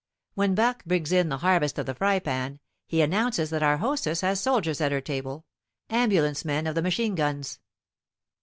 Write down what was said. When Barque brings in the harvest of the fry pan, he announces that our hostess has soldiers at her table ambulance men of the machine guns.